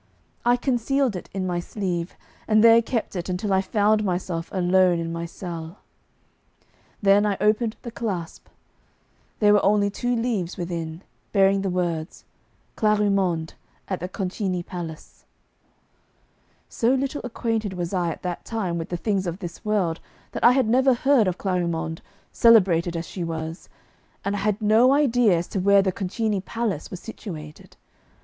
I concealed it in my sleeve, and there kept it until I found myself alone in my cell. Then I opened the clasp. There were only two leaves within, bearing the words, 'Clarimonde. At the Concini Palace.' So little acquainted was I at that time with the things of this world that I had never heard of Clarimonde, celebrated as she was, and I had no idea as to where the Concini Palace was situated.